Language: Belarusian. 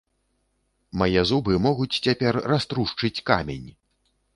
Мае зубы могуць цяпер раструшчыць камень.